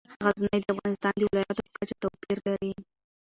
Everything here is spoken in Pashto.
غزني د افغانستان د ولایاتو په کچه توپیر لري.